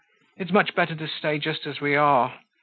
It's much better to stay just as we are.